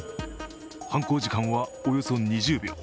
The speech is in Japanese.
犯行時間はおよそ２０秒。